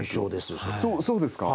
そうですか？